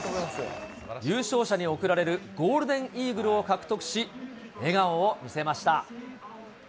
優勝者に贈られるゴールデンイーグルを獲得し、笑顔を見せました。